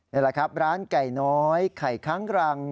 นี่แหละครับร้านไก่น้อยไข่ค้างรัง